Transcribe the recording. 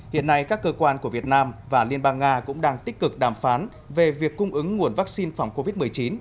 hiện nay các cơ quan của việt nam và liên bang nga cũng đang tích cực đàm phán về việc cung ứng nguồn vaccine phòng covid một mươi chín